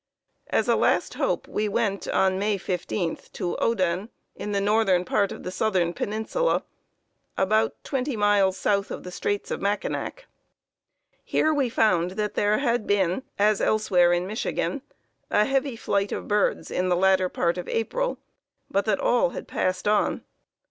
As a last hope, we went, on May 15, to Oden, in the northern part of the southern peninsula, about twenty miles south of the Straits of Mackinac. Here we found that there had been, as elsewhere in Michigan, a heavy flight of birds in the latter part of April, but that all had passed on.